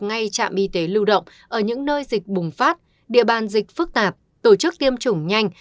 ngay trạm y tế lưu động ở những nơi dịch bùng phát địa bàn dịch phức tạp tổ chức tiêm chủng nhanh